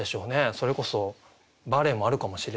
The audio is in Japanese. それこそバレエもあるかもしれないし。